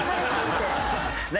何？